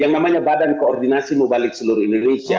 yang namanya badan koordinasi mubalik seluruh indonesia